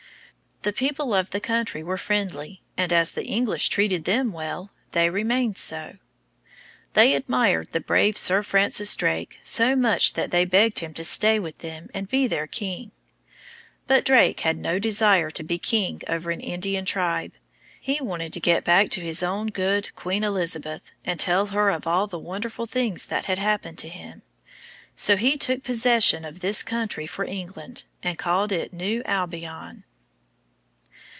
The people of the country were friendly, and as the English treated them well, they remained so. They admired the brave Sir Francis Drake so much that they begged him to stay with them and be their king. But Drake had no desire to be king over an Indian tribe. He wanted to get back to his own good Queen Elizabeth and tell her of all the wonderful things that had happened to him. So he took possession of this country for England, and called it New Albion.